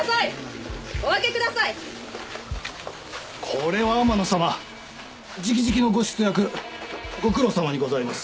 これは天野さまじきじきのご出役ご苦労さまにございます